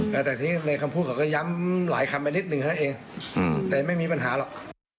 แต่ทีนี้ในคำพูดเขาก็ย้ำหลายคำไปนิดหนึ่งเท่านั้นเองแต่ไม่มีปัญหาหรอก